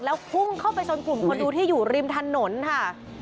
แล้วพุ่งเข้าไปชนกลุ่มคนดูที่อยู่ริมถนนค่ะ